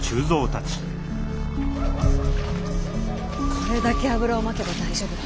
これだけ油をまけば大丈夫だ。